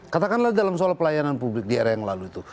katakanlah dalam soal pelayanan publik di era yang lalu itu